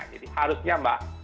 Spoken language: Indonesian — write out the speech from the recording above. jadi harusnya mbak